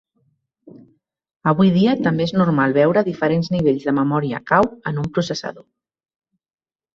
Avui dia també és normal veure diferents nivells de memòria cau en un processador.